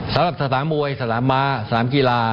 สำหรับสถานหมวยสถานม้าสถานกีฬา